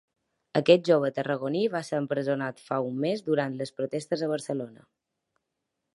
Aquest jove tarragoní va ser empresonat fa un mes durant les protestes a Barcelona.